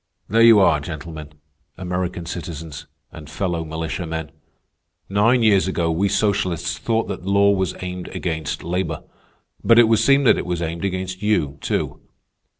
"There you are gentlemen, American citizens, and fellow militiamen. Nine years ago we socialists thought that law was aimed against labor. But it would seem that it was aimed against you, too.